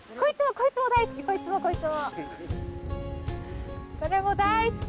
こいつも大好き。